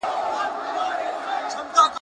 د ښکاري به په ښکار نه سوې چمبې غوړي `